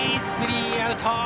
スリーアウト。